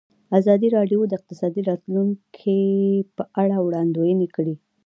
ازادي راډیو د اقتصاد د راتلونکې په اړه وړاندوینې کړې.